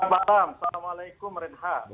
waalaikumsalam assalamualaikum wr wb